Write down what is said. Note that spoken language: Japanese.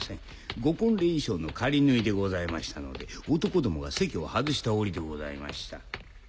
ご婚礼衣装の仮縫いでございましたので男どもが席をはずした折でございました。